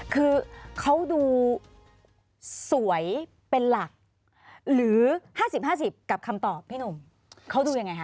คือเขาดูสวยเป็นหลักหรือ๕๐๕๐กับคำตอบพี่หนุ่มเขาดูยังไงคะ